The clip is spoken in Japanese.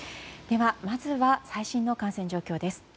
では、まずは最新の感染状況です。